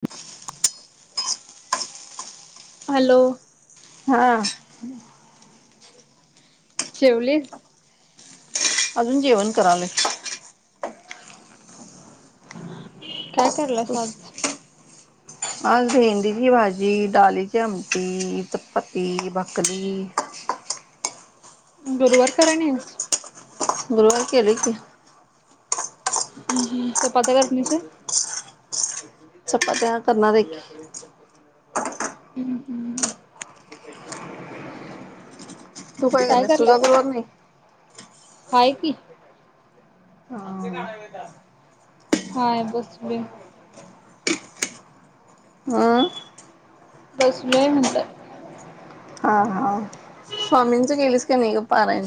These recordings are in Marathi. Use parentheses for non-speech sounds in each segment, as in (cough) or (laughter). (unintelligible) हॅलो. हा. जेवलीस अजून जेवण करालोय. काय कारलास आज? आज भेंडीची भाजी, डालीची आमटी, चपत्ती भाकरी गुरुवार कराणेस गुरुवार केले की. हम्म हम्म चपात्या करत. (unintelligible) चपात्या करणार आहे की. हम्म हम्म. तू काय केल्यास तुझा करलंस तू गुरुवार नाही? हाय कि. हां. हाय बसलोय. आं बसलोय म्हणलं. हा हा स्वामींचा केलीस काय नाही गं पारायण?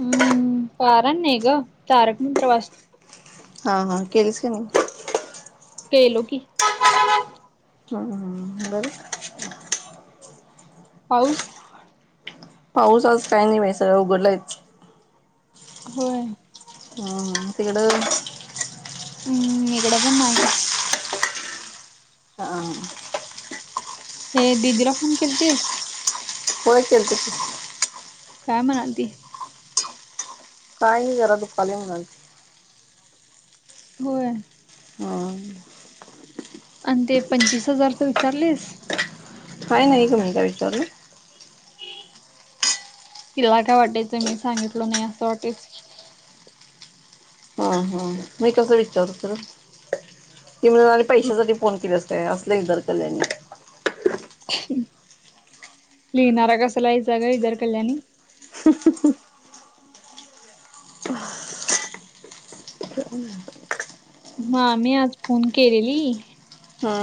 हम्म पारण नाही गं तारक मंत्र वाच हा हा केलीस काय ना? केलो की. हां हां. बरं पाऊस पाऊसच आज काय नाय बाई सगळं उघडलायच. होय. आणि तिकडं उम्म इकडं पण नाही. हां. हे दिदीला फोन केलतेस? होय केलतं की काय म्हणाल ती काय नाही जरा दुखायला म्हणाल ती होय.... हा. आण ते पच्चीस हजारचं विचारलीस काय नाही ग मी काय विचारलं तिला काय वाटायचं, मी सांगितलो नाही असं वाटायचं. हा हा मी कसं विचारू तिला ती म्हणाली पैशासाठी फोन केल्यास हे असले, इदर कल्याणी. लिहिणारा कसं लिहायचा गं, इदर कल्याणी. (inaudible) मामी आज फोन केलेली हा.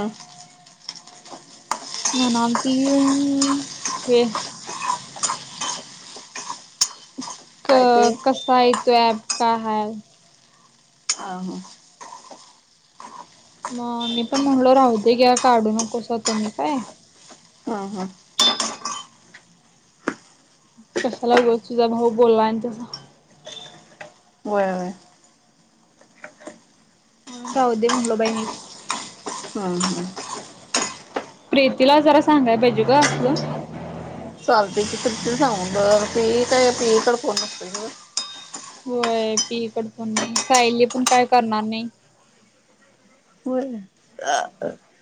म्हणालती हे. क काय ते कसा आहे तो अँप, काय हाय? आ हां. मग मी पण म्हणलो राहु दे घ्या, काढू नकोसा तुम्ही काय. हा हा. कशाला उगच तुझा भाऊ बोलला आणि तस व्हय व्हय. म्हणून राहू दे म्हणलो बाई मी हा हा. प्रीतीला जरा सांगायला पाहिजे गं असलं. चालतंय की प्रीतीला सांगून बघ पीयी काय पीयी कड फोन नसतोय ग होय पी कड फोन नाही, सायली पण काय करणार नाही. होय. (unintelligible)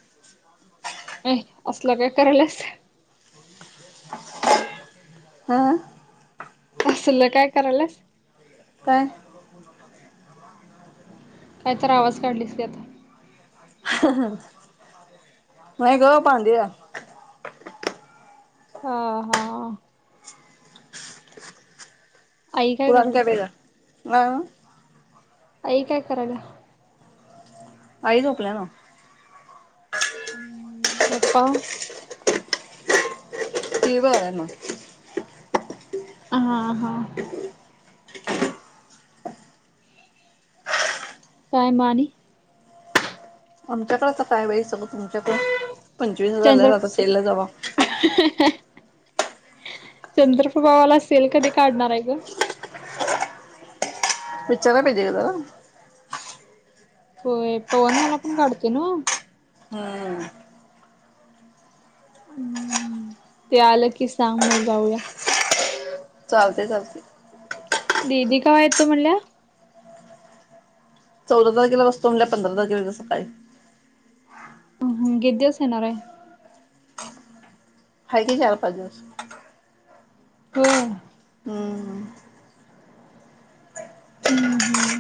ये असलं काय कराल्यास. हा. असल काय कराल्यास काय काय तर, आवाज काढलीस की आता. (unintelligible) होय गं, बांधूया. हा हा आई काय पुरण करायल्या केलेला म आई, काय करायल्या? आई झोपल्या ना. ऊं बप्पा. टीव्ही बघालाय नवं. आं हां. काय मग आणि, आमच्याकडं आता काय बाई, सगळ तुमच्याकडं पंचवीस हजार लयज आता, सेल ला जावा. चंद्रप्रभा वाला सेल, कधी काढणार आहे गं? विचाराय पाहिजे गं जरा. होय, पवन वाला पण काढतोय नं. हं. हम्म, ते आलं की सांग मल जाऊया. चालतंय, चालतंय. दीदी कवा येतो म्हणल्या? चौदा तारखेला बसतो म्हणल्या, पंधरा तारखेला येत्या सकाळी. ऊं हं गीत दिवस येणाराय? हाय की चार-पाच दिवस. व्हय. हम्म ऊं हुं.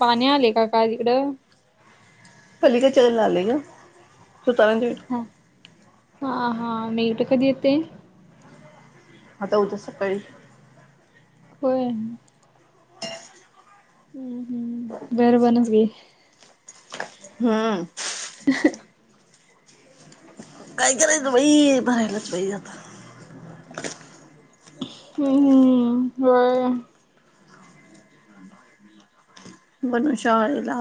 पाणी आले काय का तिकडं खाली कशाला आले ग सुतावे चे (unintelligible) हा हा हा मी इथं कधी येते. आता उद्या सकाळी.. होय.... हम हम दर्बनच घे हा..... ह काय करायचं बाई भरायलाच पाहिजे आता हम हम.. मनू शाळेला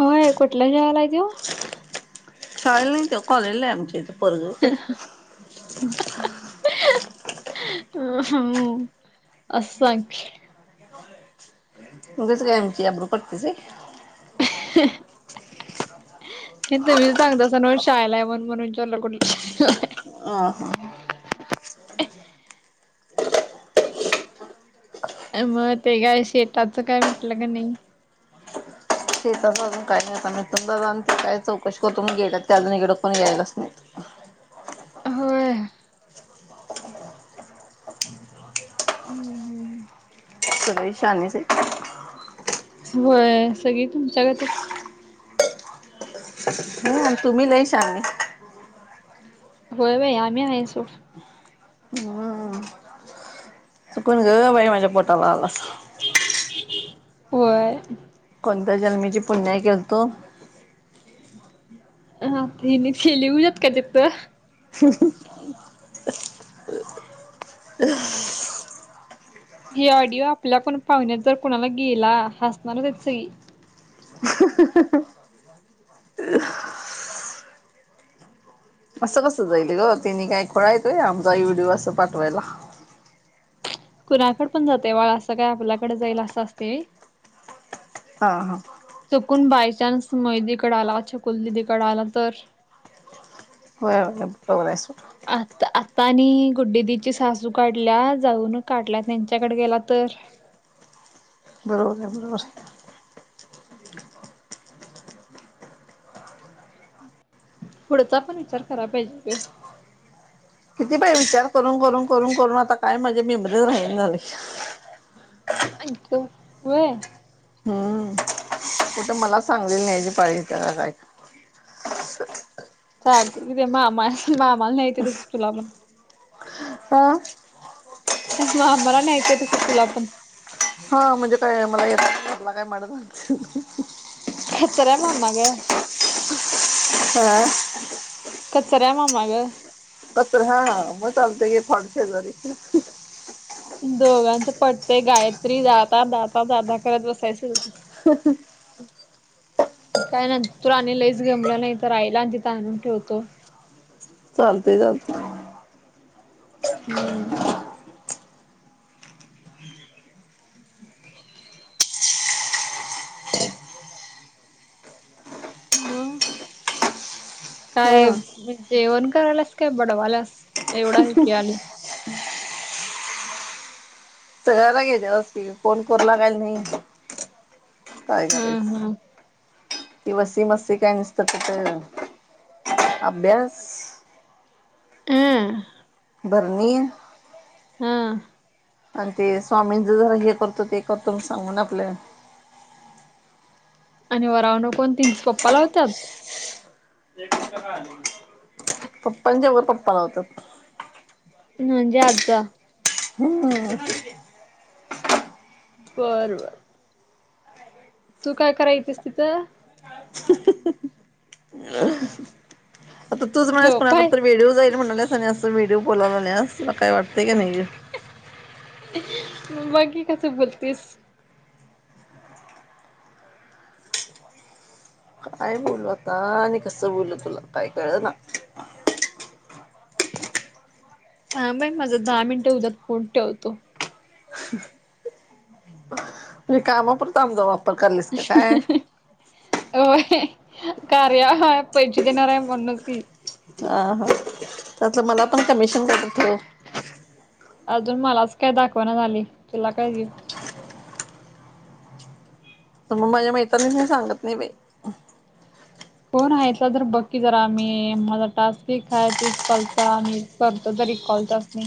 होय कुठल्या शाळेला तो शाळेला नाही तो कॉलेज आमच्या इथे पोरग हं असं सांगते (unintelligible) उगाच काय आमची आबरू काढतीस होय ह.... किती वेळेस सांगता सर शाळेला या म्हण म्हणून विचारलं कुठल्या शाळेला आहे. हा. यामुळे ते काय मग शेताचं काय मिटलं का नाही. शेताचा अजून काहीनाय मी तर काय चौकशी करतो म्हणून गेलेत ते अजून इकड फोन यायलाच नाही. होय... ह ह.. सगळी शहाणीच आहेत. होय सगळी तुमच्यागतच ह तुम्ही लय शहाणे होय होय हमे हाय सोड हा.... चुकून ग बाई माझ्या पोटाला आला होय.. कोणत्या जन्मीची पुण्याई केलतो. हा (unintelligible) यात का तिथं ह..... हम हे ऑडिओ आपल्या कोण पाहुण्यात जर कुणाला गेला हसणारचय. हं..... असं कसं जाईलग तेनी काय खुळा हाईत होय आमचा व्हिडिओ असं पाठवायला कुणाकडं पण जाते बाळ असं काय आपल्याकडेच जाईल असं असते होय. हा हा.. चूकून बायचान्स महिंदी कडे छकुल दिदीकडे आला तर? होय होय पवल्यासुठ. आ आता आणि गुड्डीदीची सासू काढल्या जाऊन काढल्या त्यांच्याकडे गेला तर. बरोबर आहे बरोबर. पुढचा पण विचार कराय पाहिजे गं. किती बाय विचार करून करून करून करून आता काय माझी मेमरी राहील नाय झालं. आई गं व्हय. हम्म कुठं मला सांगली न्यायची पाळी येत्या का काय. चालते कि ते मामा अस मामाल न्यायचंस तुला पण. का त्यामुळे आम्हाला न्यायचंय तसं तुला पण. हा म्हणजे काय मला येता काय. (unintelligible) खतरा मामा गं. (unintelligible) कचरा मामा गं. कचरा हा हा मग चालते गं फडशे जरी. दोघांचं पटते गायत्री जाता जाता दादा करत बसायचं ते. (unintelligible) काय नाही न तू रा आणि लईस गेमला नाही तर राहीला आणि तिथं आणून ठेवतो. चालतोय चालते. हम्म. म. काय हा जेवण करायलास काय बडवालास एवढा हाय की आले. तारयला घ्याच्या असतील फोन कोर गाल नाही काय करायच. हम्म ती वस्सी मस्सी काय निसतं त तर अभ्यास हम्म बरनी हां. आणि ते स्वामींचं जरा हे करतो ते करतो म सांगून आपल्या आणि वरवनं पण तीनचं पप्पा लावतात. एकच कसा आले म? पप्पांज्यो वर पप्पा लावतात. म्हणजे आजजा हम्म हम्म. बरोबर तू काय करायचीस तिथं? (unintelligible) आता तूच म्हणस झोपाय कोणाकडं तर व्हिडिओ जाईल म्हणालेस आणि असं व्हिडिओ बोलावलायास तुला काय वाटतय की नाही. म‌ बाकी कसं बोलतीस? काय बोलू आता आणि कसं बोलू तुला काय कळं ना. थांब बाई माझं दहा मिनिटं होऊ द्यात फोन ठेवतो. मी कामापुरता आमचा वापर करलीस का काय? होय कार्या ऐप पैशे देणार आहे म्हणूनस की. आ हा त्यातलं मला पण कमिशन कायतर ठेव. अजून मलाच काय दाखवना झाली तुला काय देऊ. तर मग माझ्या मैत्रिणी बी मी सांगत नाही बाई. कोण हायसा जर बघ की जरा, मी माझा टास्क ठीक आहे, तीस कॉलचा मी करतो तरी कॉल, त्यासनी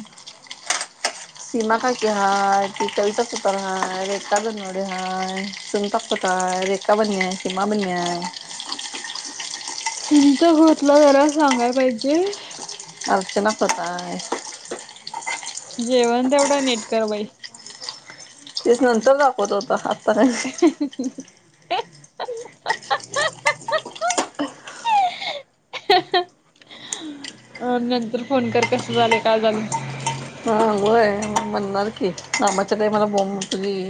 सीमा काकी हाय, ती कविता सुतार हाय, रेखा बनवडे हाय, सुनीता खोत हाय, रेखा बने हाय, सीमा बने हाय सुनीता घोतला, जरा सांगाय पाहिजे अर्चना खोत हाय जेवण तेवडं नीट कर बाई तेच नंतर दाखवत होता, आता नाही ही, ही, हू, हू, हे, आ, आ, आ, आ, आ अ नंतर फोन कर, कसं झालय, का झालं? सुंड व्हय, म्हणणार की, कामाच्या टायमाला बॉम्ब सगळी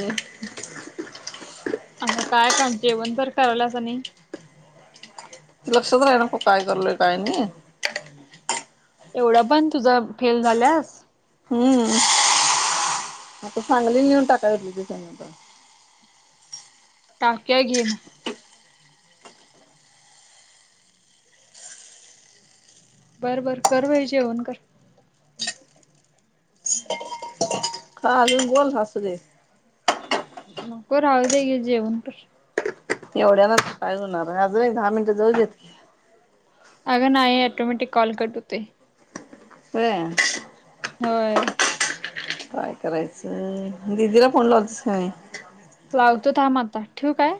(unintelligible) जेवण तर करायलासा नाही लक्षात राहया नको, काय करलय, काय नाही? एवढा, पण तुझा, फेल झाल्यास हम्म आता सांगली यीऊन टाकाय दीदीचा नंबर टाकूया की बर, बर, कर बाई जेवण कर. चालल, बोल, असू दे नको, राहू दे, ये जेवण कर. एवढ्या न त काय होणार हाय, अजून एक दहा मिनिट, जाऊ देत अगं नाही, ऑटोमॅटिक कॉल कट होतोय. व्हय व्हय काय करायचं, दीदीला फोन लावतीस क नाय? लावतो, थांब आता, ठेवू काय?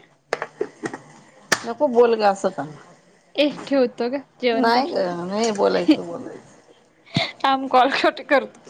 नको, बोल गं, असं का ए, ठेवतो गं, जेवण नाही ग कर नाही बोलायचं बोलायचं. थांब, कॉल कट करतो.